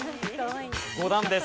５段です。